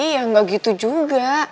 ya gak gitu juga